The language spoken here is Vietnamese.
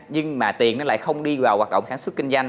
nhưng mà tiền nó lại không đi vào hoạt động sản xuất kinh doanh